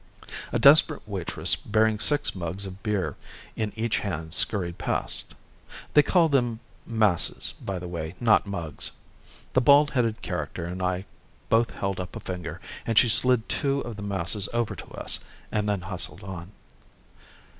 A desperate waitress bearing six mugs of beer in each hand scurried past. They call them masses, by the way, not mugs. The bald headed character and I both held up a finger and she slid two of the masses over to us and then hustled on.